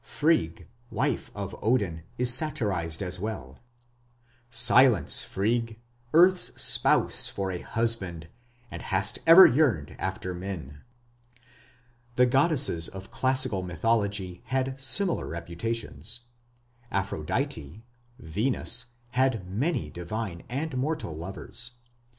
Frigg, wife of Odin, is satirized as well: Silence, Frigg! Earth's spouse for a husband, And hast ever yearned after men! The goddesses of classic mythology had similar reputations. Aphrodite (Venus) had many divine and mortal lovers.